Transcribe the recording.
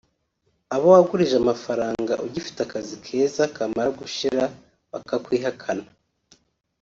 abo wagurije amafaranga ugifite akazi keza kamara gushira bakakwihakana